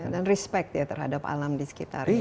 dan respect ya terhadap alam di sekitar